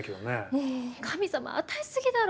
もう神様与えすぎだろ！